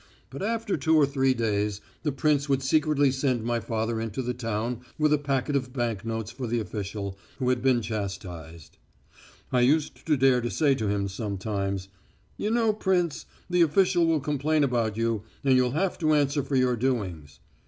But after two or three days the prince would secretly send my father into the town with a packet of bank notes for the official who had been chastised. I used to dare to say to him sometimes, "You know, prince, the official will complain about you, and you'll have to answer for your doings."